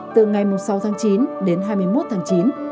từ ngày sáu tháng chín đến hai mươi một tháng chín